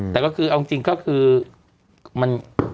แต่ก็คือเอาจริงก็คือมัน